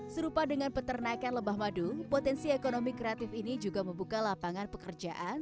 serupa dengan peternakan lebah madu potensi ekonomi kreatif ini juga membuka lapangan pekerjaan